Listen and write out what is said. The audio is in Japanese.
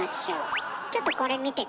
ちょっとこれ見てくれる？